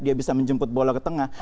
dia bisa menjemput bola ke tengah